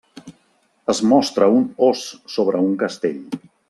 Es mostra un ós sobre un castell.